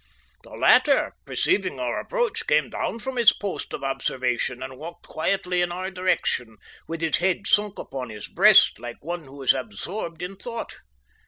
The latter, perceiving our approach, came down from his post of observation and walked quietly in our direction, with his head sunk upon his breast, like one who is absorbed in thought.